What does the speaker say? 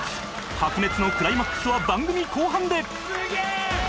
白熱のクライマックスは番組後半で！